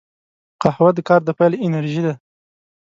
قهوه د کار د پیل انرژي ده